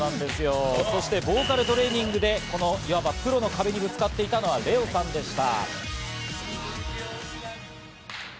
そしてボーカルトレーニングでいわばプロの壁にぶつかっていたのはレオさんでした。